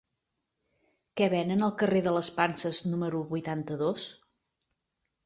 Què venen al carrer de les Panses número vuitanta-dos?